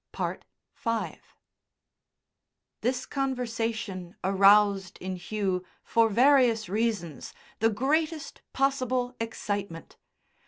V This conversation aroused in Hugh, for various reasons, the greatest possible excitement.